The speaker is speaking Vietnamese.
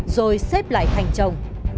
rồi xếp lại thành trồng